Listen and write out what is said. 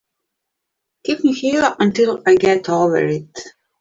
Keep me here until I get over it.